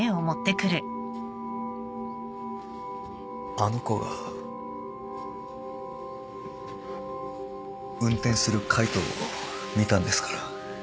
あの子が運転する海藤を見たんですから。